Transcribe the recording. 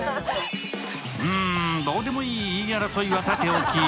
うん、どうでもいい言い争いはさておき